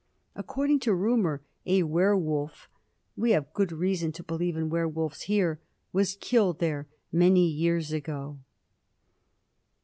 According to rumour, a werwolf we have good reason to believe in werwolfs here was killed there many years ago."